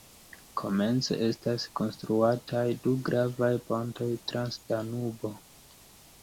Komence estas konstruataj du gravaj pontoj trans Danubo.